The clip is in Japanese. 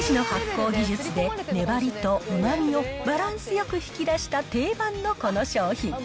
独自の発酵技術で粘りとうまみをバランスよく引き出した定番のこの商品。